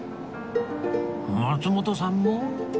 松本さんも？